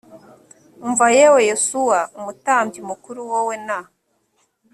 umva yewe yosuwa umutambyi mukuru wowe na